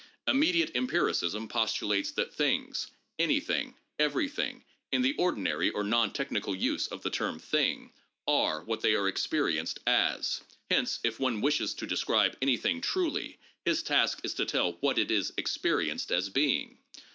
" Immediate empiricism postu lates that things — anything, everything, in the ordinary or non technical use of the term ' thing '— are what they are experienced as. Hence, if one wishes to describe anything truly, his task is to tell what it is experienced as being.